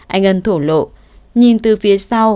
anh ân thổ lộ nhìn từ phía sau